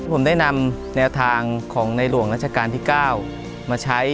ผมได้นำแนวทางของในหลวงราชการที่๙มาใช้